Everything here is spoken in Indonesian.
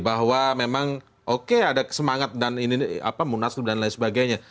bahwa memang oke ada semangat dan ini munaslup dan lain sebagainya